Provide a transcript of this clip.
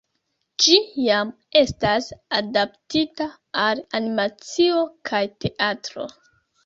Ĝi jam estas adaptita al animacio kaj teatro.